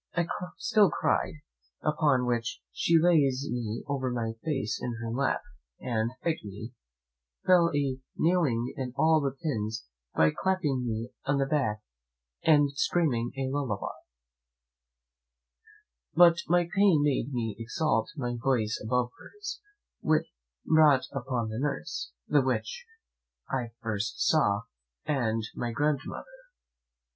I still cried; upon which she lays me on my face in her lap; and, to quiet me, fell a nailing in all the pins by clapping me on the back and screaming a lullaby. But my pain made me exalt my voice above hers, which brought up the nurse, the witch I first saw, and my grandmother.